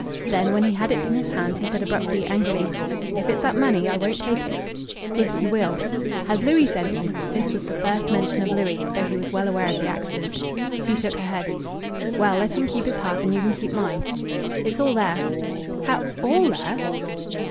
Then, when he had it in his hands, he said abruptly, angrily, "If it's that money, I won't take it." "Yes you will." "Has Louis sent ye?" This was the first mention of Louis, though he was well aware of the accident. She shook her head. "Well, let him keep his half, and you can keep mine." "It's all there." "How all there?"